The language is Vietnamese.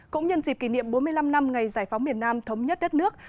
cũng nhân dịp kỷ niệm bốn mươi năm năm ngày giải phóng miền nam thống nhất đất nước